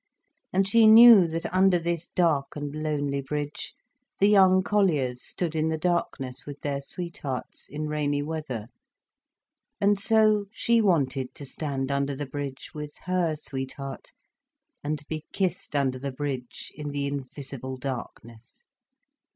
And she knew that under this dark and lonely bridge the young colliers stood in the darkness with their sweethearts, in rainy weather. And so she wanted to stand under the bridge with her sweetheart, and be kissed under the bridge in the invisible darkness.